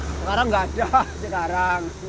sekarang gak ada